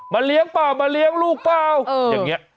เลี้ยงเปล่ามาเลี้ยงลูกเปล่าอย่างนี้